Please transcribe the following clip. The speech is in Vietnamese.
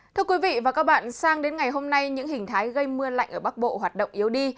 thưa quý vị và các bạn sang đến ngày hôm nay những hình thái gây mưa lạnh ở bắc bộ hoạt động yếu đi